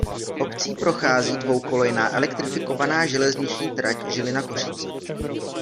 Obcí prochází dvoukolejná elektrifikovaná železniční trať Žilina–Košice.